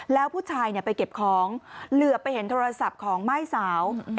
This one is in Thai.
แล้วผู้ชายไปเก็บของเหลือไปเห็นโทรศัพท์ของม่ายสาว